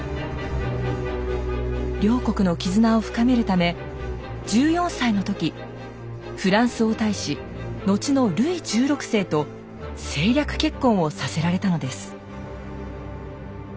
両国の絆を深めるため１４歳の時フランス王太子後のルイ１６世と政略結婚をさせられたのです。